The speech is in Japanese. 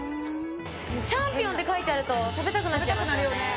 チャンピオンって書いてあると食べたくなっちゃいますね。